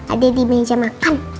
ada di meja makan